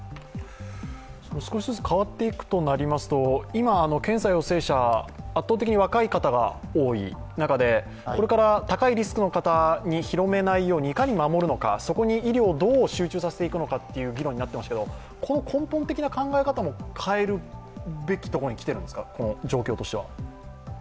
少しずつ変わっていくとなりますと、今、検査陽性者は圧倒的に若い方が多い中でこれから高いリスクの方に広めないようにいかに守るのか、そこに医療をどう集中させていくのかという議論になっていましたがこの根本的な考えも変えるべきところに状況としてはきてるんですか？